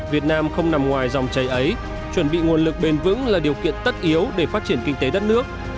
việt nam không nằm ngoài dòng chảy ấy chuẩn bị nguồn lực bền vững là điều kiện tất yếu để phát triển kinh tế đất nước